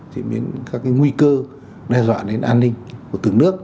diễn biến các nguy cơ đe dọa đến an ninh của từng nước